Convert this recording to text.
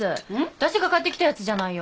私が買ってきたやつじゃないよ。